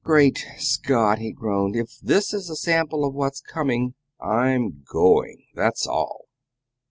"Great Scott!" he groaned. "If this is a sample of what's coming I'm GOING, that's all!"